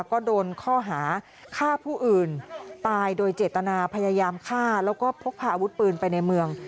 ก็โดนข้อหาฆ่าผู้อื่นตายโดยเจตนาพยายามฆ่าแล้วก็พกพาอาวุธปืนไปในเมือง